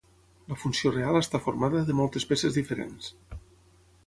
La funció real està formada de moltes peces diferents.